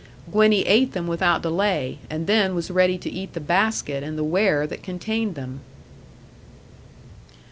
Gwenny ate them without delay, and then was ready to eat the basket and the ware that contained them.